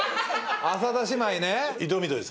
浅田姉妹ね。